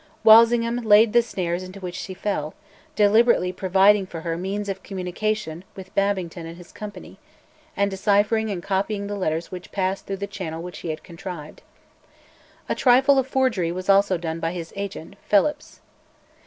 Walsingham laid the snares into which she fell, deliberately providing for her means of communication with Babington and his company, and deciphering and copying the letters which passed through the channel which he had contrived. A trifle of forgery was also done by his agent, Phelipps.